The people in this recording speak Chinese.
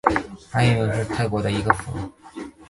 汶干府是泰国的一个府。